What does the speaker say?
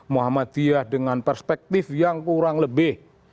muhammadiyah dengan perspektif yang kurang lebih